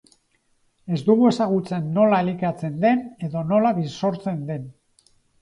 Ez dugu ezagutzen nola elikatzen den edo nola birsortzen den.